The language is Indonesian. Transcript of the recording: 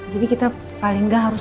jadi kita paling gak harus